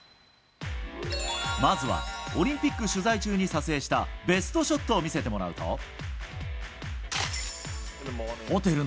まずは、オリンピック取材中に撮影したベストショットを見せてもらうと。